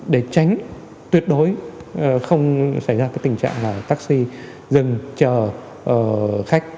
để tránh tuyệt đối không xảy ra cái tình trạng là taxi dừng chờ khách